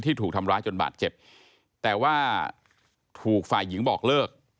ถูกทำร้ายจนบาดเจ็บแต่ว่าถูกฝ่ายหญิงบอกเลิก